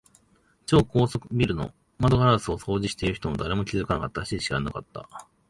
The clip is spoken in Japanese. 超高層ビルの窓ガラスを掃除している人も、誰も気づかなかったし、知らなかった。